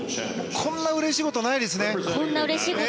こんなうれしいことない！